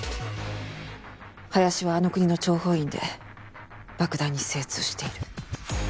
林はあの国の諜報員で爆弾に精通している。